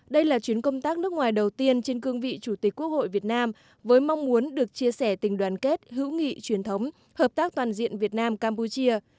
đây là chuyến công tác nước ngoài đầu tiên trên cương vị chủ tịch quốc hội việt nam với mong muốn được chia sẻ tình đoàn kết hữu nghị truyền thống hợp tác toàn diện việt nam campuchia